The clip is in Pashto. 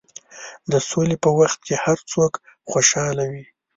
د سولې په وخت کې هر څوک خوشحاله وي.